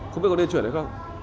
không biết có nên chuyển hay không